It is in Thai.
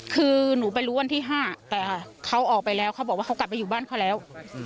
คือหนูไปรู้วันที่๕แต่เขาออกไปแล้วเขาบอกว่าเขากลับไปอยู่บ้านเขาแล้ว